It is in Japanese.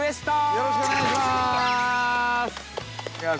よろしくお願いします。